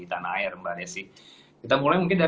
tanah air mbak nessy kita mulai mungkin